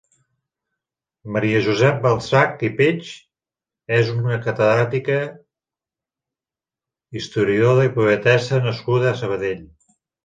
Maria Josep Balsach i Peig és una catedràtica, historiadora i poetessa nascuda a Sabadell.